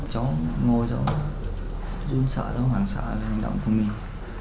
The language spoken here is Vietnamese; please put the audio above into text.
cháu ngồi cháu run sợ cháu hoảng sợ về hành động của mình